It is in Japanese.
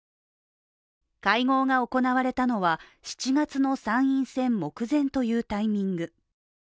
会合が行われたのは７月の参院選目前というタイミング。